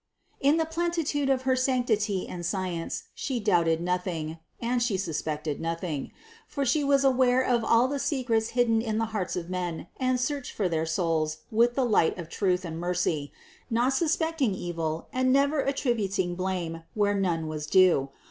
In the plenitude of her sanctity and science She doubted nothing, She suspected nothing ; for She was aware of all the secrets hidden in the hearts of men and searched their souls with the light of truth and mercy, not suspecting evil and never attributing blame, where none was due.